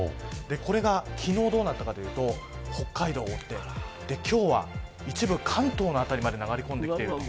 これが昨日どうなったかというと北海道を覆って今日は一部関東辺りまで流れ込んできている。